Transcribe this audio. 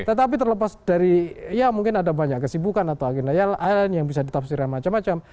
tetapi terlepas dari ya mungkin ada banyak kesibukan atau agenda lain yang bisa ditafsirkan macam macam